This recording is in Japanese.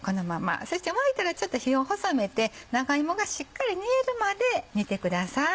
そして沸いたらちょっと火を細めて長芋がしっかり煮えるまで煮てください。